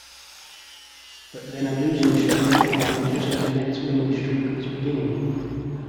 But then a losing streak began just as a Mets winning streak was beginning.